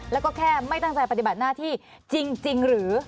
แล้วก็แค่ไม่ตั้งใจปฏิบัติหน้าที่จริงหรือ